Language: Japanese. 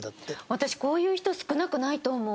私こういう人少なくないと思う。